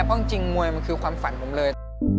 เพราะจริงมวยมันคือความฝันผมเลย